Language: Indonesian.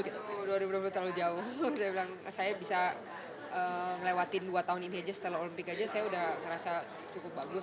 dua ribu dua puluh terlalu jauh saya bisa ngelewatin dua tahun ini aja setelah olimpiade saya udah ngerasa cukup bagus